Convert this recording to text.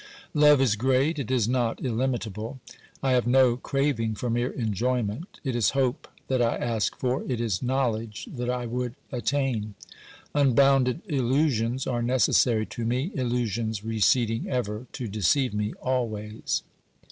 Love is great, it is not illimitable, I have no craving for mere enjoyment ; it is hope that I ask for, it is knowledge that I would attain ! Unbounded illusions are B 66 OBERMANN necessary to me, illusions receding ever to deceive me always.